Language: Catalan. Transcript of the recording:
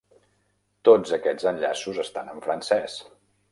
Tots aquests enllaços estan en francès.